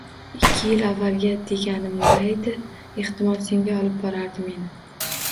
Ikki yil avvalga deganimdaydi ehtimol senga olib borardi meni.